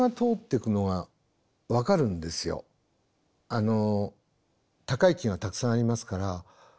あの高い木がたくさんありますからあっ